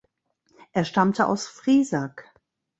Er stammte aus Friesack.